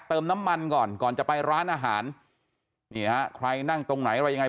เติมน้ำมันก่อนก่อนจะไปร้านอาหารนี่ฮะใครนั่งตรงไหนอะไรยังไง